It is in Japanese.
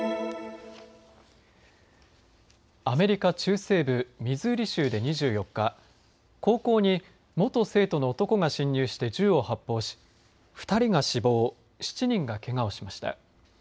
アメリカ中西部ミズーリ州で２４日、高校に元生徒の男が侵入して銃を発砲し２人が死亡、７人がけがをしました。